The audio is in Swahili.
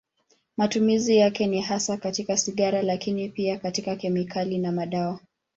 Matumizi yake ni hasa katika sigara, lakini pia katika kemikali na madawa.